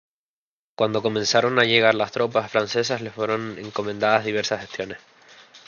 Cuando comenzaron a llegar las tropas francesas le fueron encomendadas diversas gestiones.